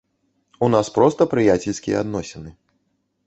У нас проста прыяцельскія адносіны.